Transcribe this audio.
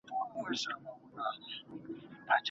ماشومانو ته کوم خواړه ورکول کیږي؟